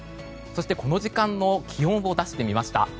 この時間の気温を出してみました。